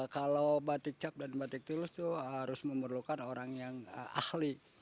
kalau batik cap dan batik tulus itu harus memerlukan orang yang ahli